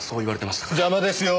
邪魔ですよ。